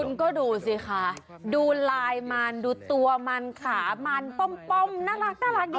คุณก็ดูสิค่ะดูลายมันดูตัวมันขามันป้อมน่ารักดีเหมือนกันนะ